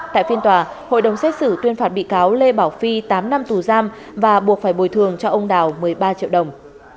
tại phiên tòa hội đồng xét xử tuyên phạt bị cáo lê bảo phi tám năm tù giam và buộc phải bồi thường cho ông đào một mươi ba triệu đồng